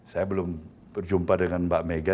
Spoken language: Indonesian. saya belum berjumpa dengan mbak mega